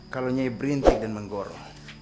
kalau nyai berintik dan menggoro